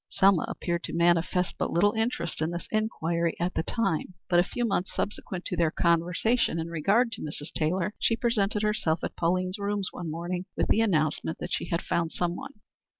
Selma appeared to manifest but little interest in this inquiry at the time, but a few months subsequent to their conversation in regard to Mrs. Taylor she presented herself at Pauline's rooms one morning with the announcement that she had found some one.